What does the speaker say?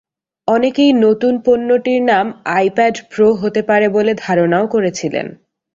অনেকেই নতুন পণ্যটির নাম আইপ্যাড প্রো হতে পারে বলে ধারণাও করছিলেন।